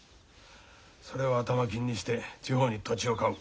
それを頭金にして地方に土地を買う。